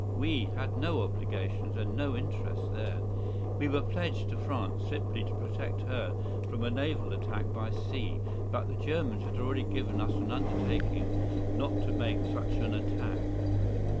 We had no obligations and no interests there. We were pledged to France simply to protect her from a naval attack by sea, but the Germans had already given us an undertaking not to make such an attack.